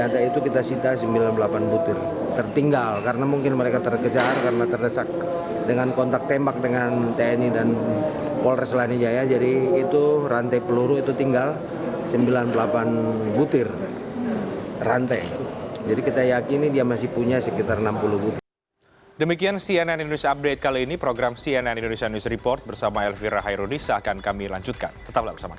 di sisi lain petugas terus melanjutkan upaya evakuasi di wilayah yang paling parah terkena dampak kebakaran di kota paradise